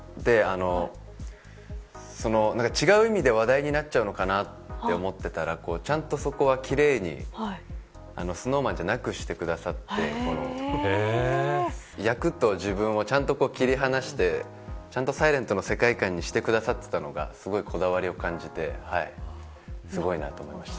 違う意味で話題になっちゃうのかなって思っていたらちゃんとそこは奇麗にＳｎｏｗＭａｎじゃなくしてくださって役と自分をちゃんと切り離してちゃんとｓｉｌｅｎｔの世界観にしてくださっていたのがすごいこだわりを感じてすごいなと思いました。